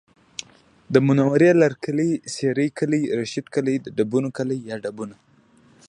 د منورې لرکلی، سېرۍ کلی، رشید کلی، ډبونو کلی یا ډبونه